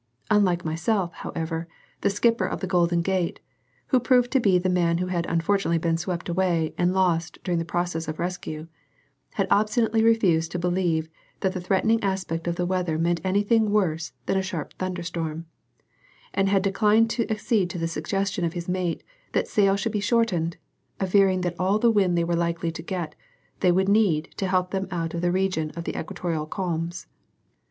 Unlike myself, however, the skipper of the Golden Gate who proved to be the man who had unfortunately been swept away and lost during the process of rescue had obstinately refused to believe that the threatening aspect of the weather meant anything worse than a sharp thunderstorm, and had declined to accede to the suggestion of his mate that sail should be shortened, averring that all the wind they were likely to get they would need to help them out of the region of the equatorial calms.